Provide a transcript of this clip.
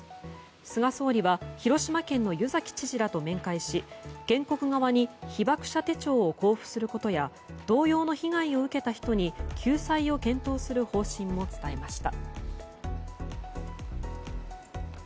菅総理は広島県の湯崎知事らと面会し原告側に被爆者手帳を交付することや同様の被害を受けた人に救済を検討する方針も伝えました。